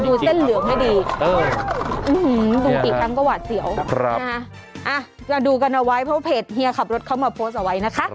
ดูเส้นเหลืองไม่ดีดูปีกตั้งก็หวาดเจี๋ยว